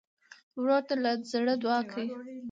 ورور ته له زړه دعا کوې.